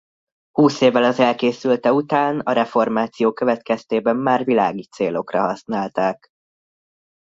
Húsz évvel az elkészülte után a reformáció következtében már világi célokra használták.